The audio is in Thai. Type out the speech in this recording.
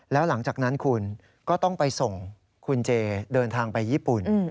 แล้วหลังจากนั้นคุณก็ต้องไปส่งคุณเจเดินทางไปญี่ปุ่น